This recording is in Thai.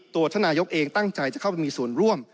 ตัวท่านนายกเองตั้งใจจะเข้าไปมีส่วนร่วม